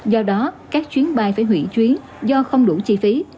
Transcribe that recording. do đó các chuyến bay phải hủy chuyến do không đủ chi phí